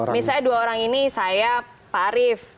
misalnya dua orang ini saya pak arief